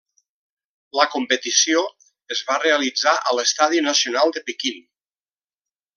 La competició es va realitzar a l'Estadi Nacional de Pequín.